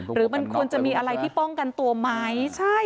หรือมันควรจะมีอะไรที่ป้องกันตัวไหม